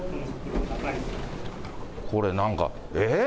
これ、なんか、えっ？